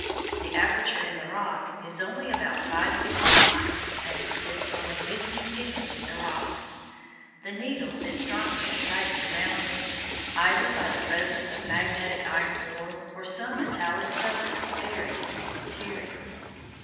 The aperture in the rock is only about five feet in height, and extends only fifteen feet into the rock. The needle is strongly attracted around this, either by the presence of magnetic iron ore or some metallic substance buried in the interior.